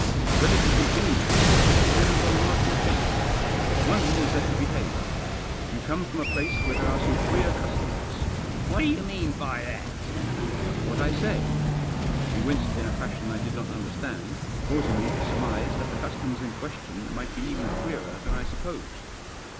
Whether you continue to be so depends on one or two things. One is that you behave. You come from a place where there are some queer customs." " What do you mean by that ?"" What I say." He winced in a fashion I did not understand, causing me to surmise that the customs Digitized by 268 THE JOSS. in question might be even queerer than I supposed.